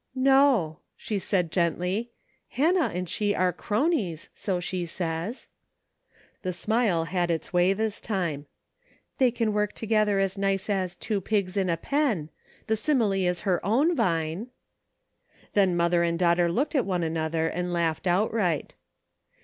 " No," she said, gently, " Hannah and she are 'cronies,' so she says." The smile had its way, this time. " They can work together as nice as 'two pigs in a pen;' the simile is her own, Vine." Then mother and daughter looked at one another and laughed outright.